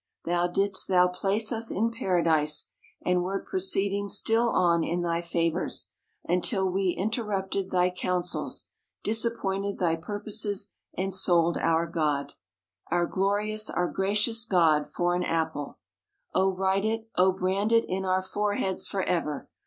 Then didst thou place us in paradise, and wert proceeding still on in thy favors, until we inter rupted thy counsels, disappointed thy purposes, and sold our God — our glorious, our gracious God — for an apple. Oh, write it — oh, brand it in our foreheads for ever!